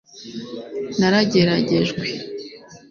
narageragejwe